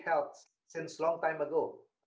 sejak lama lalu